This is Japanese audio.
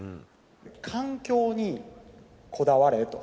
環境にこだわれと。